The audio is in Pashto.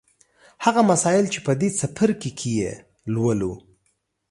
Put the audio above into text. هغه مسایل چې په دې څپرکي کې یې لولو